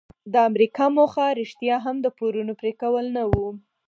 د امریکا موخه رښتیا هم د پورونو پریکول نه وو.